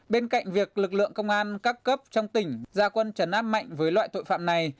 bên cạnh việc lực lượng công an các cấp trong tỉnh gia quân trấn áp mạnh với loại tội phạm này